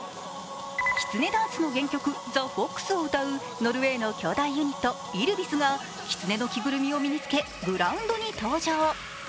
きつねダンスの原曲「ＴｈｅＦｏｘ」を歌う、ノルウェーの兄弟ユニット、Ｙｌｖｉｓがきつねの着ぐるみを身に着けグラウンドに登場。